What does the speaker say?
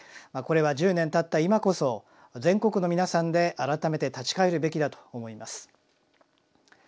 これは１０年たった今こそ全国の皆さんで改めて立ち返るべきだと思います。